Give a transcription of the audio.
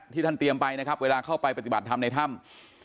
ท่านเตรียมไปนะครับเวลาเข้าไปปฏิบัติธรรมในถ้ำ